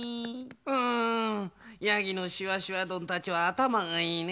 うんヤギのしわしわどんたちはあたまがいいね。